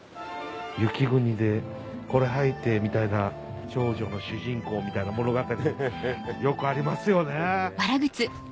雪国でこれ履いてみたいな少女の主人公みたいな物語よくありますよね。